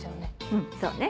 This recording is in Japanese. うんそうね